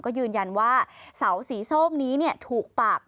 ก็ยืนยันว่าเสาสีส้มนี้ถูกปัก